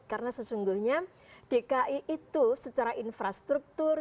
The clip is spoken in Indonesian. karena sesungguhnya dki itu secara infrastruktur